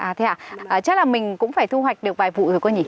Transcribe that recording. à thế ạ chắc là mình cũng phải thu hoạch được vài vụ rồi cô gì